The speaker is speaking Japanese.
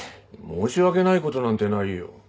申し訳ないことなんてないよ。